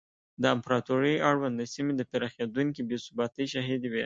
د امپراتورۍ اړونده سیمې د پراخېدونکې بې ثباتۍ شاهدې وې.